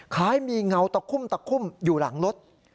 คล้ายมีเงาตะคุ่มอยู่หลังรถ